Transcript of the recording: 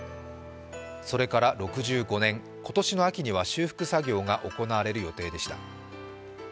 それから６５年、今年の秋には修復作業が行われる予定でした。